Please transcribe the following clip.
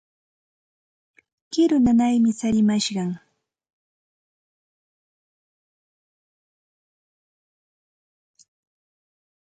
Kiru nanaymi tsarimashqan.